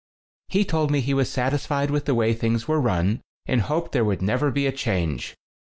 He told me he was satisfied with the way things were run and hoped there would never be a change.